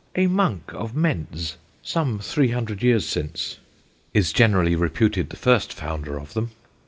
A Monke of Mentz (some three hundred years since) is generally reputed the first Founder of them.